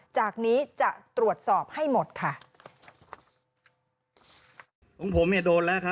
จากนี้จะตรวจสอบให้หมดค่ะ